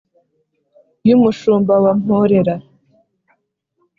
Y’umushumba wa Mporera